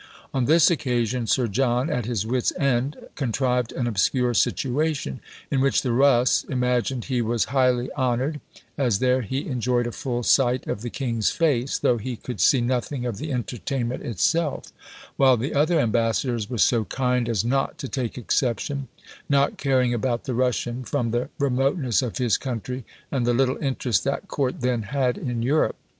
On this occasion, Sir John, at his wits' end, contrived an obscure situation, in which the Russ imagined he was highly honoured, as there he enjoyed a full sight of the king's face, though he could see nothing of the entertainment itself; while the other ambassadors were so kind as "not to take exception," not caring about the Russian, from the remoteness of his country, and the little interest that court then had in Europe!